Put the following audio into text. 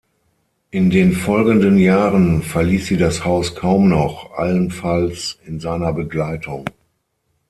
In den folgenden Jahren verließ sie das Haus kaum noch, allenfalls in seiner Begleitung.